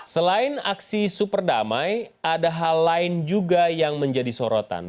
selain aksi super damai ada hal lain juga yang menjadi sorotan